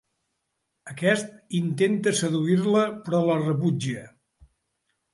Aquest intenta seduir-la però la rebutja.